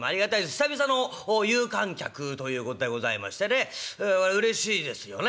久々の有観客ということでございましてねうれしいですよね。